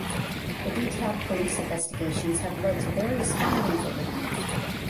The detailed police investigations have led to various findings over the years.